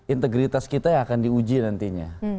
integritas kita yang akan diuji nantinya